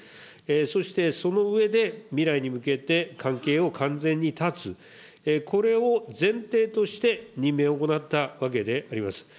そして、その上で、未来に向けて、関係を完全に断つ、これを前提として任命を行ったわけであります。